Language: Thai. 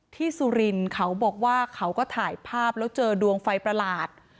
สุรินทร์เขาบอกว่าเขาก็ถ่ายภาพแล้วเจอดวงไฟประหลาด